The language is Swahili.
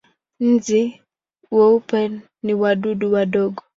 Nzi weupe ni wadudu wadogo.